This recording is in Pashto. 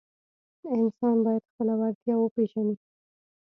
انسان باید خپله وړتیا وپیژني.